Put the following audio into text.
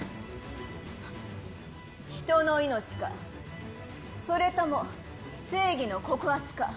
人の命か、それとも正義の告発か。